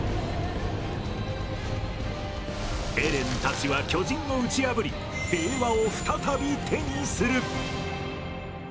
エレンたちは巨人を打ち破り平和を再び手にする。